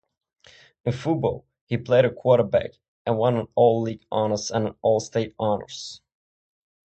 In football, he played quarterback, and won an All-League honors and All-State honors.